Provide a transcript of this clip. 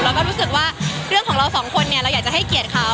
แล้วก็รู้สึกว่าเรื่องของเราสองคนเนี่ยเราอยากจะให้เกียรติเขา